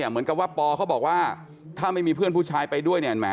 เหมือนกับว่าปอเขาบอกว่าถ้าไม่มีเพื่อนผู้ชายไปด้วยเนี่ยแหม